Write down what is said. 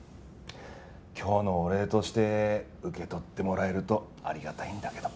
今日のお礼として受け取ってもらえるとありがたいんだけど。